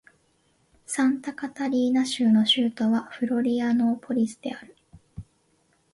サンタカタリーナ州の州都はフロリアノーポリスである